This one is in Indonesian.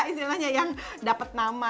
istilahnya yang dapat nama